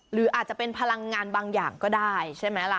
หรืออาจจะเป็นพลังงานบางอย่างก็ได้ใช่ไหมล่ะ